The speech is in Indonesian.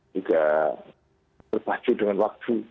juga berpacu dengan waktu